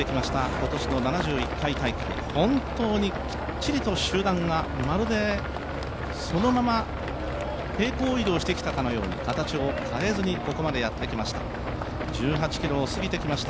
今年の７１回大会、本当にきっちりと集団が、まるでそのまま平行移動してきたかのように形を変えずにここまでやってきました。